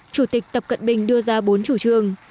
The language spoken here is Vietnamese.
chủ tịch tập cận bình đưa ra bốn chủ trương